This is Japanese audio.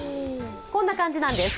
こんな感じなんです。